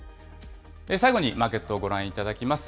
最後にマーケットをご覧いただきます。